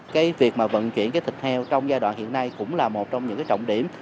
cái việc mà vận chuyển cái thịt heo trong giai đoạn hiện nay cũng là một trong những cái trọng điểm